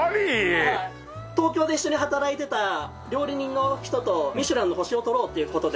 東京で一緒に働いてた料理人の人とミシュランの星を取ろうっていう事で。